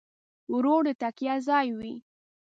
ورور د تکیه ځای وي.